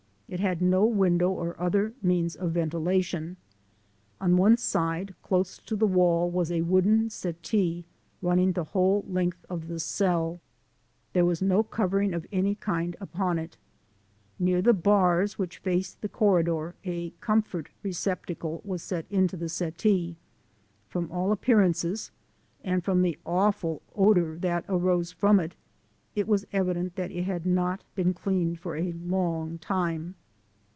It had no window or other means of ventilation. On one side, close to the wall, was a wooden settee, running the whole length of the cell. There was no covering of any kind upon it. Near the bars which faced the cor ridor a comfort receptacle was set into the settee. From all appearances and from the awful odor that arose from it it was evident that it had not been cleaned for a long time.